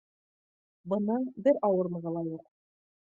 Бының бер ауырлығы ла юҡ